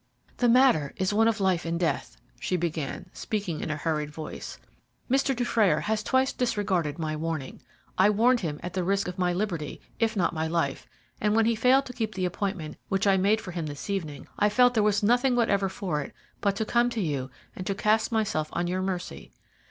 "The matter is one of life and death," she began, speaking in a hurried voice. "Mr. Dufrayer has twice disregarded my warning. I warned him at the risk of my liberty, if not my life, and when he failed to keep the appointment which I made for him this evening, I felt there was nothing whatever for it but to come to you and to cast myself on your mercy.